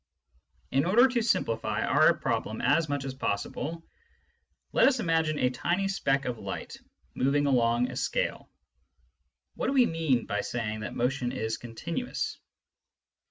In order to simplify our problem as much as possible, let us imagine a tiny speck of light moving along a scale. What do we mean by saying that the motion is continuous